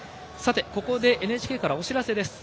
ＮＨＫからお知らせです。